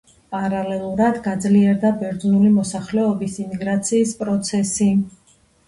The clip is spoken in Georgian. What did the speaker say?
პარალელურად გაძლიერდა ბერძნული მოსახლეობის იმიგრაციის პროცესი.